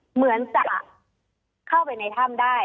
เหมือนจะเข้าไปในถ้ำได้